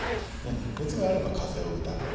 熱があれば風邪を疑う。